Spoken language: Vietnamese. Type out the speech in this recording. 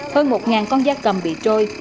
hơn một con da cầm bị trôi